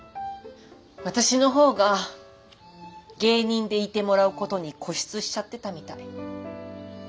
私の方が芸人でいてもらうことに固執しちゃってたみたい。